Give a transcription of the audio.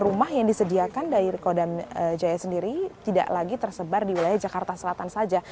rumah yang disediakan dari kodam jaya sendiri tidak lagi tersebar di wilayah jakarta selatan saja